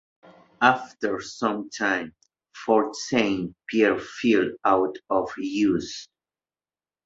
After some time, Fort Saint Pierre fell out of use.